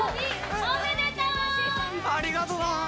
ありがとな！